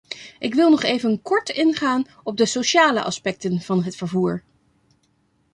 Ik wil nog even kort ingaan op de sociale aspecten van het vervoer.